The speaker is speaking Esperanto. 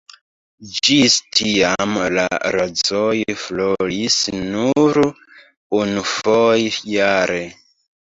Ĝis tiam la rozoj floris nur unufoje jare.